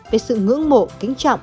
về sự ngưỡng mộ kính trọng